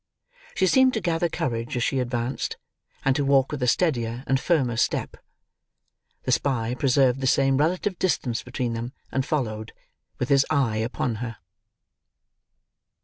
She seemed to gather courage as she advanced, and to walk with a steadier and firmer step. The spy preserved the same relative distance between them, and followed: with his eye upon her.